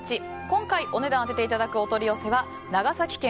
今回お値段を当てていただくお取り寄せは長崎県